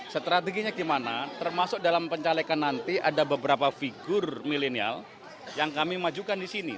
strateginya gimana termasuk dalam pencalekan nanti ada beberapa figur milenial yang kami majukan di sini